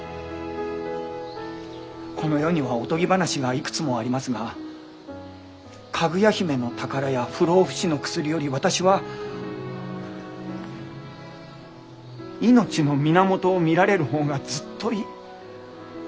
この世にはおとぎ話がいくつもありますが「かぐや姫」の宝や不老不死の薬より私は命の源を見られる方がずっといい。